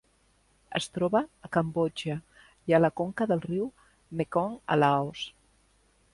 Es troba a Cambodja i a la conca del riu Mekong a Laos.